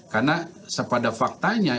karena sepada faktanya